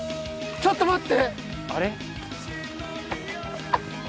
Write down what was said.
ちょっと待って。